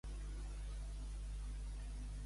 Ser un «desespero».